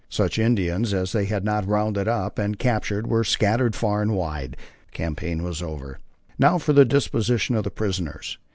Such Indians as they had not "rounded up" and captured were scattered far and wide. The campaign was over. Now for the disposition of the prisoners.